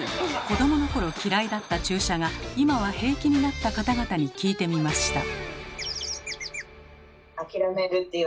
子どものころ嫌いだった注射が今は平気になった方々に聞いてみました。